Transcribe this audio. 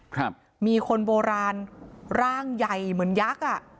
ครับมีคนโบราณร่างใหญ่เหมือนยักษ์อ่ะ